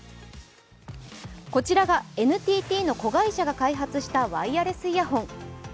こちらがＮＴＴの子会社が開発したワイヤレスイヤホン。